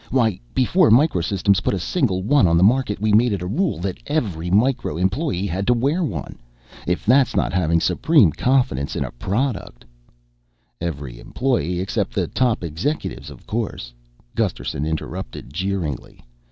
Why, before Micro Systems put a single one on the market, we'd made it a rule that every Micro employee had to wear one! If that's not having supreme confidence in a product " "Every employee except the top executives, of course," Gusterson interrupted jeeringly.